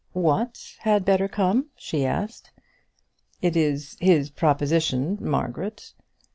"What had better come?" she asked. "It is his proposition, Margaret."